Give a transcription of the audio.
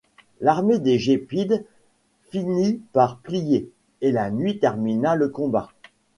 L'armée des Gépides finit par plier, et la nuit termina le combat.